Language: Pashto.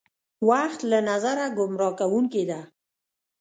وخت له نظره ګمراه کوونکې ده.